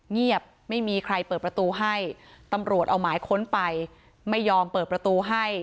เงียบไม่มีใครเปิดประตูให้ตำรวจเอาหมายค้นไปไม่ยอมเปิดประตูให้